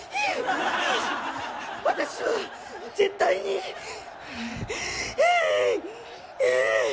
私は絶対にひぃ！